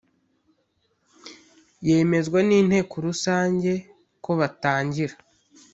yemezwa n inteko rusange kobatangira